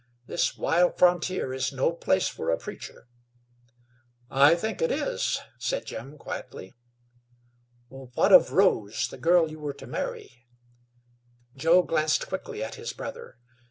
This wild frontier is no place for a preacher." "I think it is," said Jim, quietly. "What of Rose the girl you were to marry?" Joe glanced quickly at his brother.